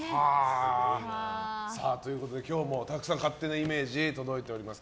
ということで今日もたくさん勝手なイメージ届いております。